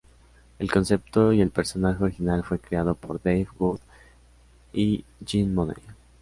El concepto, y el personaje original, fue creado por Dave Wood y Jim Mooney.